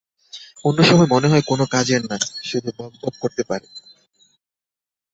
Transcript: অন্য সময় মনে হয় কোনো কাজের না শুধু বকরবকর করতে পারে।